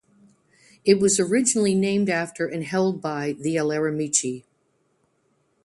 It was originally named after and held by the Aleramici.